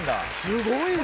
・すごいな。